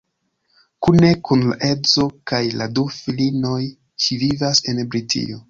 Kune kun la edzo kaj la du filinoj ŝi vivas en Britio.